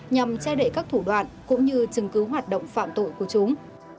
nhằm che đậy các thủ đoạn cũng như chứng cứ hoạt động phạm tội của chúng